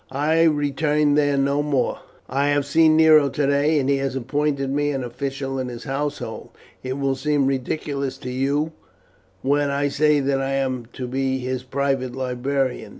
"I return there no more. I have seen Nero today, and he has appointed me an official in his household. It will seem ridiculous to you when I say that I am to be his private librarian.